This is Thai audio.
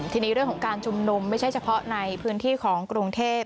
ทีนี้เรื่องของการชุมนุมไม่ใช่เฉพาะในพื้นที่ของกรุงเทพ